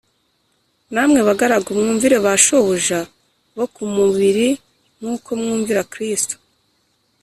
Namwe bagaragu mwumvire ba shobuja bo ku mubiri nk uko mwumvira kristo